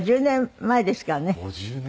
５０年前ですか。